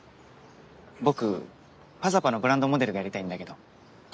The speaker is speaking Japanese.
僕「ｐａｚａｐａ」のブランドモデルがやりたいんだけど。